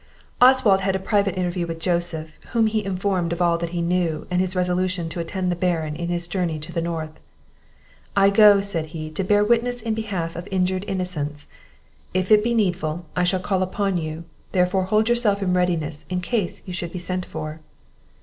Oswald had a private interview with Joseph, whom he informed of all that he knew, and his resolution to attend the Baron in his journey to the north. "I go," said he, "to bear witness in behalf of injured innocence. If it be needful, I shall call upon you; therefore hold yourself in readiness in case you should be sent for."